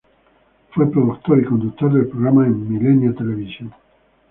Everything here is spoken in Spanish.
Fue productor y conductor de programas en Milenio Televisión.